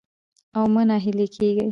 او مه ناهيلي کېږئ